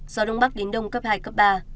gió đông bắc đến đông cấp hai cấp ba